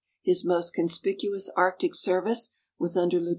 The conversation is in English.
His most conspicuous arctic service was under Lieut.